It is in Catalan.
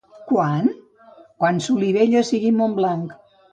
—Quan? —Quan Solivella sigui Montblanc.